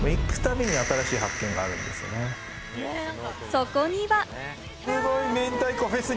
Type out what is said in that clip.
そこには。